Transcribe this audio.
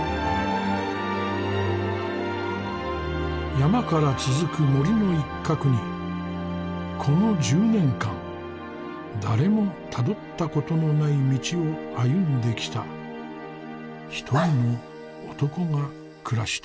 山から続く森の一角にこの１０年間誰もたどったことのない道を歩んできた一人の男が暮らしている。